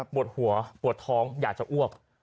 ปวดหัวปวดท้องอยากจะอ้วก